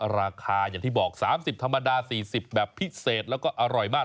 ราคาอย่างที่บอก๓๐ธรรมดา๔๐แบบพิเศษแล้วก็อร่อยมาก